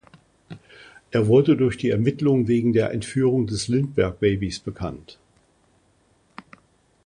Er wurde durch die Ermittlungen wegen der Entführung des Lindbergh-Babys bekannt.